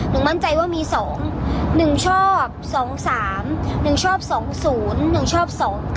หนึ่งมั่นใจว่ามีสอง๑ชอบ๒๓๑ชอบ๒๐หนึ่งชอบ๒๙